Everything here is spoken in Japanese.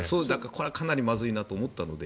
これはかなりまずいなと思ったので。